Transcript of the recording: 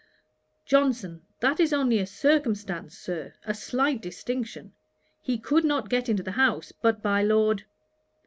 JOHNSON. 'That is only a circumstance, Sir; a slight distinction. He could not get into the house but by Lord